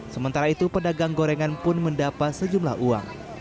sementara itu pedagang gorengan pun mendapat sejumlah uang